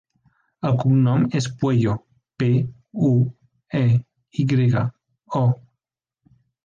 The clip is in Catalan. El cognom és Pueyo: pe, u, e, i grega, o.